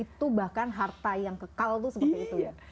itu bahkan harta yang kekal tuh seperti itu ya